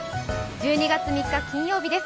１２月３日金曜日です。